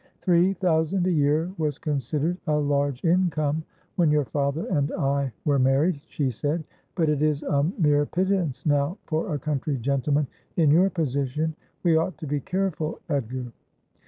' Three thousand a year was considered a large income when your father and I were married,' she said ; 'but it is a mere pittance now for a country gentleman in your position. We ought to be careful, Edgar.'